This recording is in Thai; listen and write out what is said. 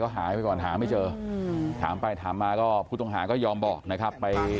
เอาใจเข้าขอนแล้วก็ถามเรื่อยไป